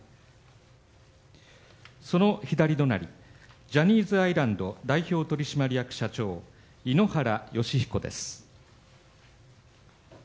その左隣、ジャニーズアイランド代表取締役社長井ノ原快彦です。